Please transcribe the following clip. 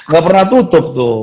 ga pernah tutup tuh